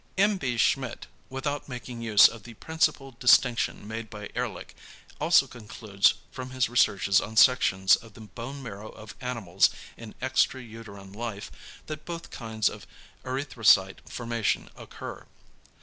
M. B. Schmidt without making use of the principal distinction made by Ehrlich, also concludes from his researches on sections of the bone marrow of animals in extra uterine life, that both kinds of erythrocyte formation occur.